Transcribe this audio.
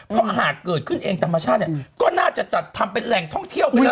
เพราะหากเกิดขึ้นเองธรรมชาติเนี่ยก็น่าจะจัดทำเป็นแหล่งท่องเที่ยวไปเลย